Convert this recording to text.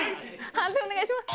判定お願いします。